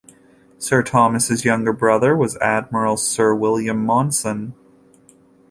Sir Thomas's younger brother was Admiral Sir William Monson.